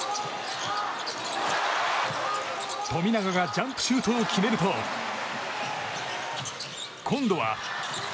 富永がジャンプシュートを決めると今度は。